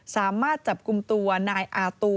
สามารถจับกลุ่มตัวนายอาตู